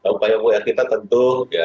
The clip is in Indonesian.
upaya upaya kita tentu